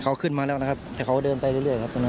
เขาขึ้นมาแล้วนะครับแต่เขาเดินไปเรื่อยครับตรงนั้น